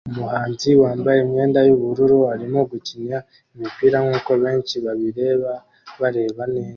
Umuhanzi wambaye imyenda yubururu arimo gukina imipira nkuko benshi babireba bareba neza